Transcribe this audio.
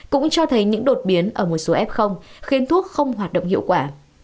cũng cho thấy những đột biến ở một số f khiến thuốc không hoạt động hiệu quả